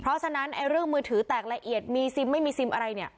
เพราะฉะนั้นเรื่องมือถือแตกละเอียดมีซิมไม่มีซิมอะไรเนี่ย